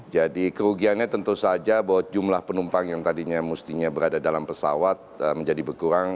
jadi kerugiannya tentu saja bahwa jumlah penumpang yang tadinya mestinya berada dalam pesawat menjadi berkurang